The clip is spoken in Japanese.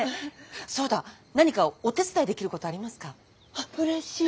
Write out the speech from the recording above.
あっうれしい！